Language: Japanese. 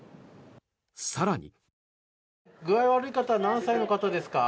更に。